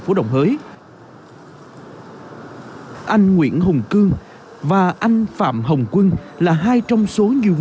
ido arong iphu bởi á và đào đăng anh dũng cùng chú tại tỉnh đắk lắk để điều tra về hành vi nửa đêm đột nhập vào nhà một hộ dân trộm cắp gần bảy trăm linh triệu đồng